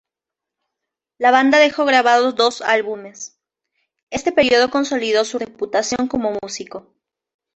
La banda dejó grabados dos álbumes Este periodo consolidó su reputación como músico.